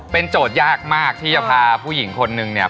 เป็นโจทย์ยากมากที่จะพาผู้หญิงคนนึงเนี่ย